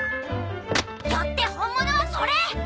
よって本物はそれ！